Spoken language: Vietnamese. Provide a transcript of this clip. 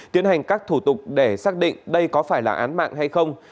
tiến hành các thủ tục để xác định đây có phải là án mạng hay không